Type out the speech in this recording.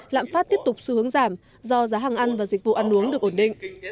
lạm phát tiếp tục xu hướng giảm do giá hàng ăn và dịch vụ ăn uống được ổn định